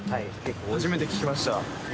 初めて聞きました